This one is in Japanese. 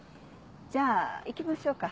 じゃあ行きましょうか。